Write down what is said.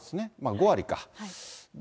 ５割か。